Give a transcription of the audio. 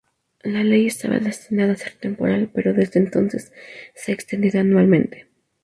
La ley estaba destinada a ser temporal, pero desde entonces se ha extendido anualmente.